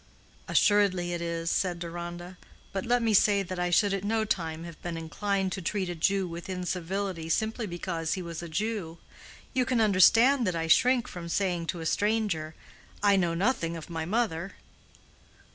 "Assuredly it is," said Deronda. "But let me say that I should at no time have been inclined to treat a Jew with incivility simply because he was a Jew. You can understand that I shrank from saying to a stranger, 'I know nothing of my mother.